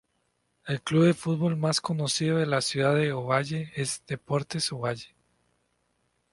El club de fútbol más conocido de la ciudad de Ovalle es Deportes Ovalle.